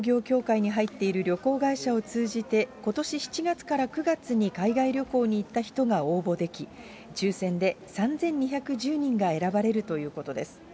日本旅行業協会に入っている旅行会社を通じてことし７月から９月に海外旅行に行った人が応募でき、抽せんで３２１０人が選ばれるということです。